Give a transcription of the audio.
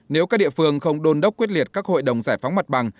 nếu các địa phương không đôn đốc quyết liệt các hội đồng giải phóng mặt bằng